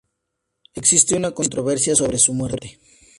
Existe una controversia sobre su muerte.